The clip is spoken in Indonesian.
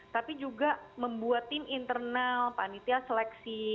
tapi juga membuat tim internal panitia seleksi